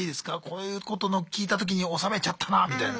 こういうことを聞いた時に納めちゃったなみたいな。